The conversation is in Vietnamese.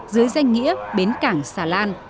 dưới danh nghĩa bến cảng xà lan